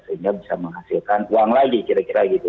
sehingga bisa menghasilkan uang lagi kira kira gitu